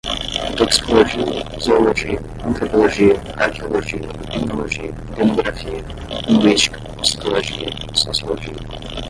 toxicologia, zoologia, antropologia, arqueologia, criminologia, demografia, linguística, psicologia, sociologia